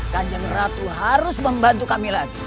kanjeng ratu harus membantu kami lagi